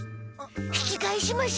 引き返しましょう！